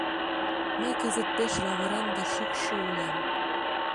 — Мый кызыт пеш лавыран да шӱкшӧ улам.